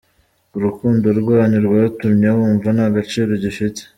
Urukundo rwanyu rwatumye wumva nta gaciro ugifite.